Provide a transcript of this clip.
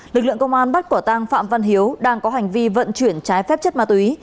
lực lượng công an bắt quả tăng phạm văn hiếu đang có hành vi vận chuyển trái phép chất ma túy